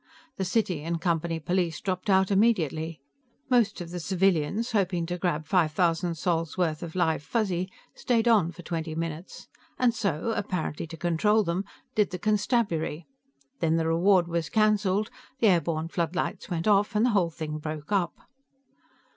The City and Company police dropped out immediately. Most of the civilians, hoping to grab five thousand sols' worth of live Fuzzy, stayed on for twenty minutes, and so, apparently to control them, did the constabulary. Then the reward was cancelled, the airborne floodlights went off and the whole thing broke up.